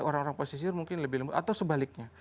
orang orang pesisir mungkin lebih lembut atau sebaliknya